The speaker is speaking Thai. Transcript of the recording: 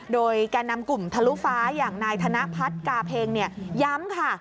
โดยแก่นำกลุ่มทะลุฟ้าอย่างนายธนพัฒน์กาเพ็งย้ำค่ะ